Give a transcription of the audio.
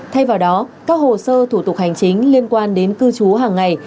thay vào đó các hồ sơ thủ tục hành chính liên quan đến cư trú hàng ngày